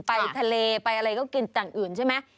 ไปทะเลไปอะไรก็กินอย่างอื่นใช่ไหม